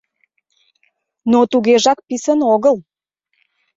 Но тугежак писын огыл.